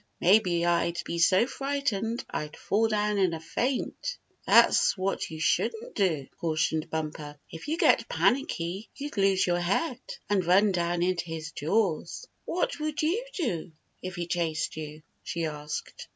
Maybe I'd be so frightened I'd fall down in a faint." "That's what you shouldn't do," cautioned Bumper. " If you get panicky you'd lose your head, and run right into his jaws." "What would you do if he chased you?" she asked.